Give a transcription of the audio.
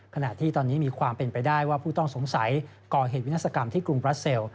ขณะที่ตอนนี้มีความเป็นไปได้ว่าผู้ต้องสงสัยก่อเหตุวินาศกรรมที่กรุงบราเซล